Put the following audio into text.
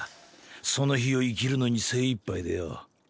その日を生きるのに精いっぱいでよ。